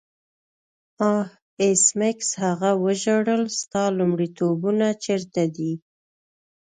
آه ایس میکس هغه وژړل ستا لومړیتوبونه چیرته دي